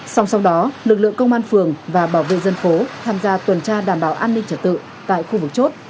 song song đó lực lượng công an phường và bảo vệ dân phố tham gia tuần tra đảm bảo an ninh trật tự tại khu vực chốt